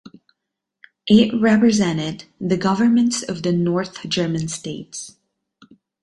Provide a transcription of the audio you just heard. It represented the governments of the North German states.